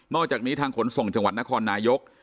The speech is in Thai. อกจากนี้ทางขนส่งจังหวัดนครนายก